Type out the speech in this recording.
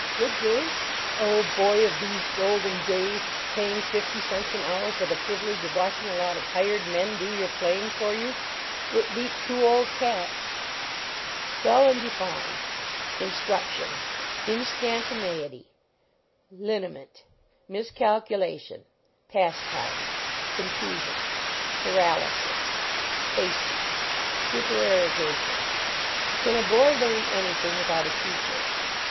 Good game? Oh, boy of these golden days, paying fifty cents an hour for the privilege of watching a lot of hired men do your playing for you it beat two old cat." SPELL AND DEFINE: Instruction Miscalculation Paralysis Instantaneity Pastime Hasty Liniment Contusion Supererogation Can a boy learn anything without a teacher?